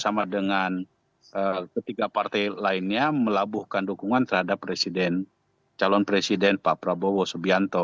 sama dengan ketiga partai lainnya melabuhkan dukungan terhadap calon presiden pak prabowo subianto